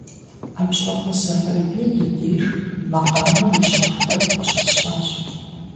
Амщокъуэ Сэфарбий и деж макъамэм и щэху куэд къыщысщӀащ.